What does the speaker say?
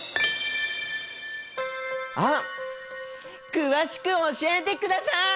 あっ詳しく教えてください！